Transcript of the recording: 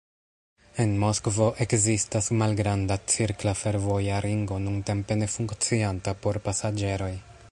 En Moskvo ekzistas "malgranda" cirkla fervoja ringo, nuntempe ne funkcianta por pasaĝeroj.